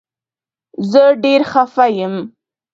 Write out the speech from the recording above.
زه ډير خفه يم